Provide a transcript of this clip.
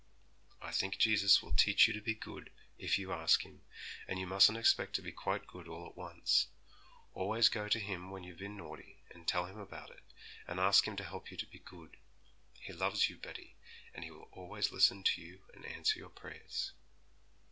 'I think Jesus will teach you to be good, if you ask Him, and you mustn't expect to be quite good all at once; always go to Him when you've been naughty, and tell Him about it, and ask Him to help you to be good. He loves you, Betty, and He will always listen to you and answer your prayers.'